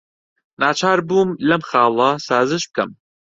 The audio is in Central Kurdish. ناچار بووم لەم خاڵە سازش بکەم.